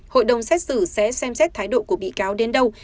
hội đồng xét xử sẽ xem xét thái độ của bị cáo đến đâu